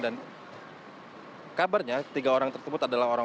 dan kabarnya tiga orang tersebut adalah orang orang